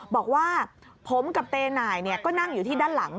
บอกว่าผมกับเตนายก็นั่งอยู่ที่ด้านหลัง